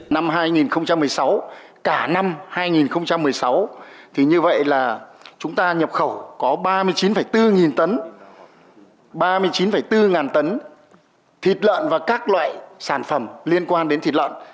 năm hai nghìn một mươi sáu cả năm hai nghìn một mươi sáu thì như vậy là chúng ta nhập khẩu có ba mươi chín bốn nghìn tấn ba mươi chín bốn tấn thịt lợn và các loại sản phẩm liên quan đến thịt lợn